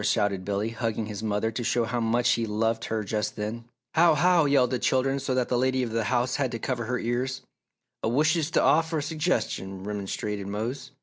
shouted Billy, hugging his mother to show how much he loved her just then. "How! How!" yelled the children so that the lady of the house had to cover her ears. "Ah wishes t' offer a sugges'ion!" remonstrated Mose.